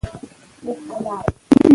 کلي ته نوی ښوونکی راغلی دی.